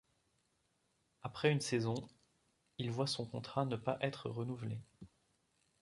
Après une saison, il voit son contrat ne pas être renouvelé.